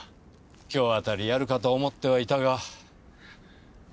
今日あたりやるかと思ってはいたが。